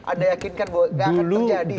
anda yakinkan bahwa nggak akan terjadi itu